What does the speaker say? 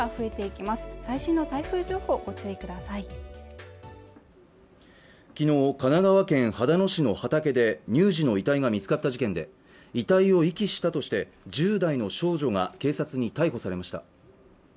きのう神奈川県秦野市の畑で乳児の遺体が見つかった事件で遺体を遺棄したとして１０代の少女が警察に逮捕されました